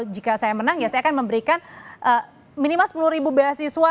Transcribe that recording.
jika saya menang ya saya akan memberikan minimal sepuluh ribu beasiswa